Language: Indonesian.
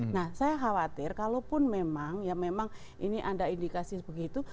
nah saya khawatir kalaupun memang ini anda indikasi begitu